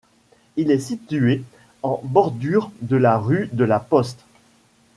Il est situé en bordure de la rue de la Poste.